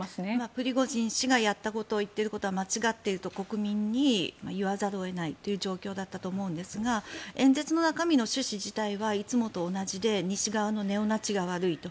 プリゴジン氏がやったこと言っていることは間違っていると国民に言わざるを得ないという状況だったと思うんですが演説の中身の趣旨自体はいつもと同じで西側のネオナチが悪いと。